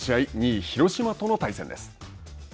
２位広島との対戦です。